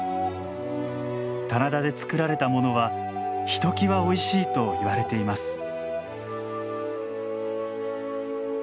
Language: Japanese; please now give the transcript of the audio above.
棚田で作られたものはひときわおいしいといわれています。